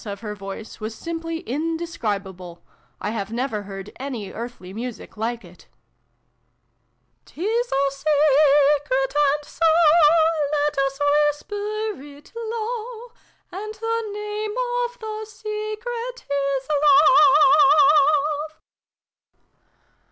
of her voice was simply indescribable ; I have never heard any earthly music like it. "' Tis a secret, and so let ^^s whisper it low A nd the name of the secret is Love